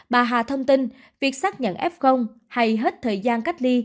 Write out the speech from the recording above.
bà hà thông tin việc xác nhận f hay hết thời gian cách ly